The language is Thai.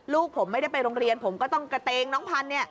ลูกผมไม่ได้ไปโรงเรียนผมก็ต้องกระเตงน้องพันธุ์